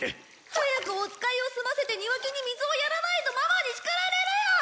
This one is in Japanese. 早くお使いを済ませて庭木に水をやらないとママに叱られるよ！